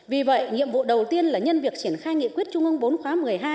vì vậy nhiệm vụ đầu tiên là nhân việc triển khai nghị quyết trung ương bốn khóa một mươi hai